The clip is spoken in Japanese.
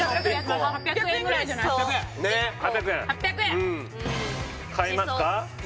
うん８００円買いますか？